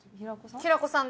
平子さんで。